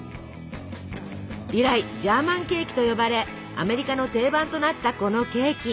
以来「ジャーマンケーキ」と呼ばれアメリカの定番となったこのケーキ。